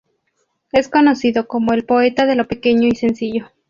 Es conocido como el poeta de lo pequeño y sencillo.